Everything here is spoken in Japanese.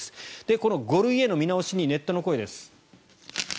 この５類への見直しにネットの声です。